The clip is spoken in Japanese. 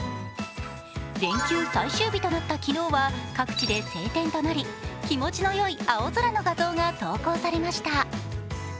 連休最終日となった昨日は各地で晴天となり気持ちのよい青空の画像が投稿されました。